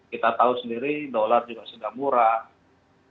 kita tahu sendiri dolar juga sudah murah